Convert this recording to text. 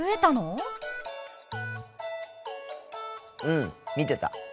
うん見てた。